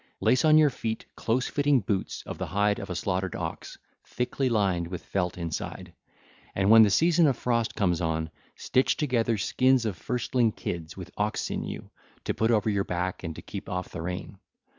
Lace on your feet close fitting boots of the hide of a slaughtered ox, thickly lined with felt inside. And when the season of frost comes on, stitch together skins of firstling kids with ox sinew, to put over your back and to keep off the rain.